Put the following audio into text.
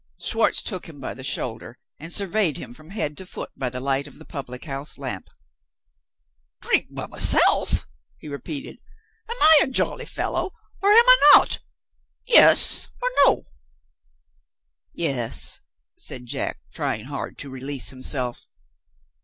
Schwartz took him by the shoulder, and surveyed him from head to foot by the light of the public house lamp. "Drink by myself?" he repeated. "Am I a jolly fellow, or am I not? Yes, or No?" "Yes," said Jack, trying hard to release himself.